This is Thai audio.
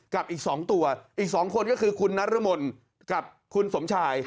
กับอีกสองตัวอีกสองคนก็คือคุณนัตรมนด์กับคุณสมชาย